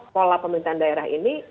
pola pemerintahan daerah ini